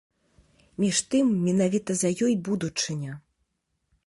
Між тым, менавіта за ёй будучыня.